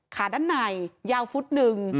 ด้านในยาวฟุตหนึ่ง